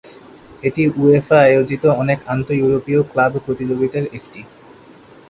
এটি উয়েফা আয়োজিত অনেক আন্ত-ইউরোপীয় ক্লাব প্রতিযোগিতার একটি।